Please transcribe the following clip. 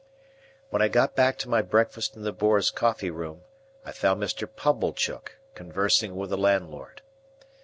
When I got back to my breakfast in the Boar's coffee room, I found Mr. Pumblechook conversing with the landlord.